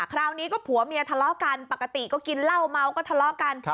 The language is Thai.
คราวนี้ก็ผัวเมียทะเลาะกันปกติก็กินเหล้าเมาก็ทะเลาะกัน